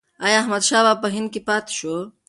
ایا احمدشاه بابا په هند کې پاتې شو؟